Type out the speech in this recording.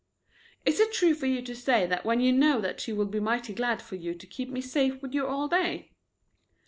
"Is it true for you to say that when you know that she will be mighty glad for you to keep me safe with you all day?"